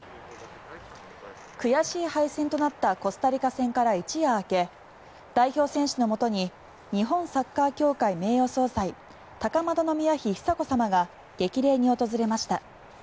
悔しい敗戦となったコスタリカ戦から一夜明け代表選手のもとに日本サッカー協会名誉総裁高円宮妃久子さまが激励に訪れました。